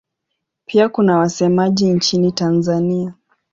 Pia kuna wasemaji nchini Tanzania.